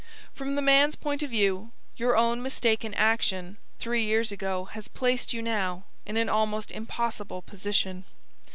From the man's point of view, your own mistaken action three years ago has placed you now in an almost impossible position.